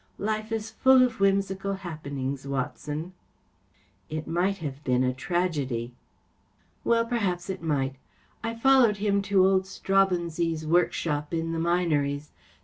Life is full of whimsical happenings, Watson.‚ÄĚ “ It might have been tragedy.‚ÄĚ " Well, perhaps it might. I followed him to old Straubenzee’s workshop in the Minories.